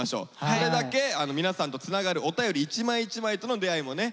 それだけ皆さんとつながるお便り一枚一枚との出会いもね